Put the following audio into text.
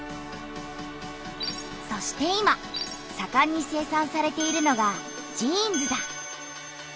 そして今さかんに生産されているのがジーンズだ。